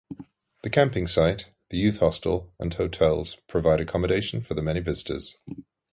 The camping site, the youth hostel, and hotels provide accommodation for the many visitors.